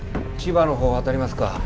千葉の方当たりますか。